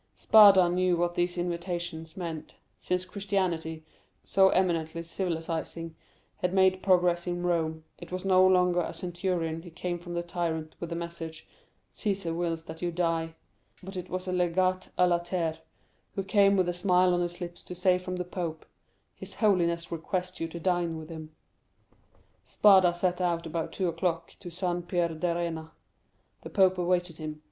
"Spada knew what these invitations meant; since Christianity, so eminently civilizing, had made progress in Rome, it was no longer a centurion who came from the tyrant with a message, 'Cæsar wills that you die.' but it was a legate à latere, who came with a smile on his lips to say from the pope, 'His holiness requests you to dine with him.' "Spada set out about two o'clock to San Pierdarena. The pope awaited him.